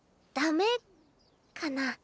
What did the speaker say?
ダメかな？